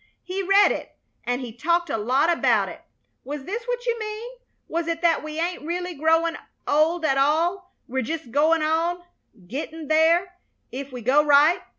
He read it, and he talked a lot about it. Was this what you mean? Was it that we ain't really growin' old at all, we're jest goin' on, gettin' there, if we go right?